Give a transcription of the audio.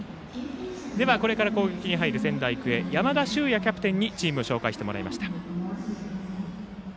これから攻撃に入る仙台育英山田脩也キャプテンにチームを紹介してもらいました。